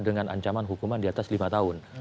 dengan ancaman hukuman di atas lima tahun